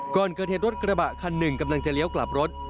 ก่อนเกิดเหตุรถกระบะคันหนึ่งกำลังจะเลี้ยวกลับรถ